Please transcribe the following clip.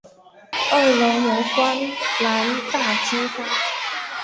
二楼有光南大批发。